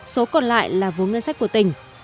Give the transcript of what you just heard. số còn lại là vốn ngân sách của tỉnh